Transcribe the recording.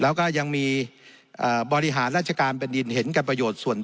แล้วก็ยังมีบริหารราชการแผ่นดินเห็นแก่ประโยชน์ส่วน